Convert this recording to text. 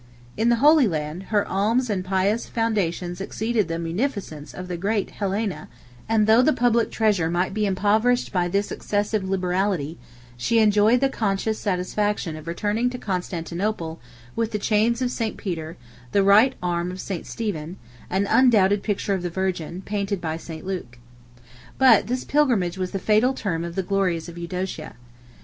In the Holy Land, her alms and pious foundations exceeded the munificence of the great Helena, and though the public treasure might be impoverished by this excessive liberality, she enjoyed the conscious satisfaction of returning to Constantinople with the chains of St. Peter, the right arm of St. Stephen, and an undoubted picture of the Virgin, painted by St. Luke. 76 But this pilgrimage was the fatal term of the glories of Eudocia.